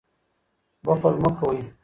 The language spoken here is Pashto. بخل مه کوئ.